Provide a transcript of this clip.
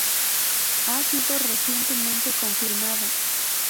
Ha sido recientemente confirmada.